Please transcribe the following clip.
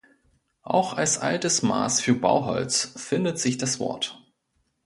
Auch als altes Maß für Bauholz findet sich das Wort.